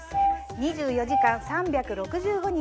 ２４時間３６５日